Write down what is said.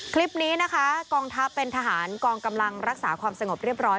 คลิปนี้นะคะกองทัพเป็นทหารกองกำลังรักษาความสงบเรียบร้อย